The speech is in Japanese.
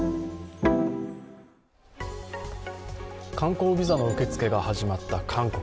観光ビザの受け付けが始まった韓国。